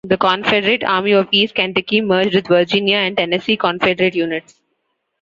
The Confederate Army of East Kentucky merged with Virginia and Tennessee Confederate units.